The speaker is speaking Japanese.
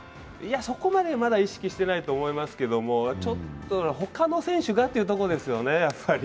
そこまでまだ意識してないと思いますけど、ちょっと他の選手がというところですよね、やっぱり。